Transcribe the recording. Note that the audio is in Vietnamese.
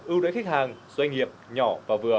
ưu đãi khách hàng doanh nghiệp nhỏ và vừa